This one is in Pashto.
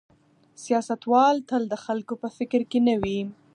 سیاستوال تل د خلکو په فکر کې نه وي.